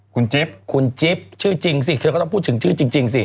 คุณจิ๊บคุณจิ๊บชื่อจริงสิเธอก็ต้องพูดถึงชื่อจริงสิ